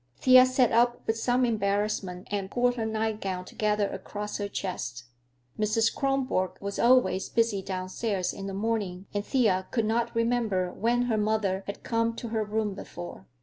Thea sat up with some embarrassment and pulled her nightgown together across her chest. Mrs. Kronborg was always busy downstairs in the morning, and Thea could not remember when her mother had come to her room before.